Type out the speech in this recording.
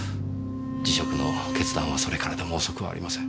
辞職の決断はそれからでも遅くはありません。